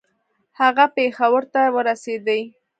هغه پېښور ته ورسېدی.